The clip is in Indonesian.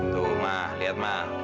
tuh ma liat ma